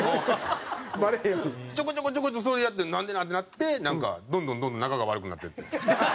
ちょこちょこちょこちょこそれやって「なんでなん？」ってなってなんかどんどんどんどん仲が悪くなっていって。